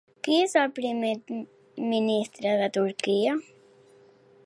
Qui és el primer ministre de Turquia?